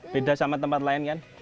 beda sama tempat lain kan